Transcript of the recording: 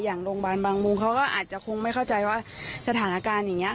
โรงพยาบาลบางมุมเขาก็อาจจะคงไม่เข้าใจว่าสถานการณ์อย่างนี้